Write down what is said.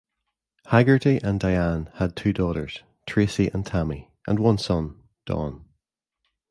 Haggerty and Diane had two daughters, Tracey and Tammy, and one son, Don.